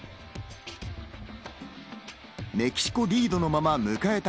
メキシコリードのまま迎えた